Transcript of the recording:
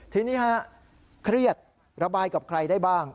ทีนี้ฮะเครียดระบายกับใครได้บ้าง